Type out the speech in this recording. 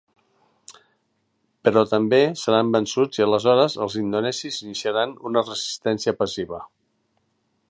Però també seran vençuts i aleshores els indonesis iniciaran una resistència passiva.